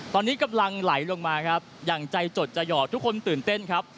ตอนนี้กำลังไหลลงมาครับอย่างใจจดจะหยอดทุกคนตื่นเต้นครับ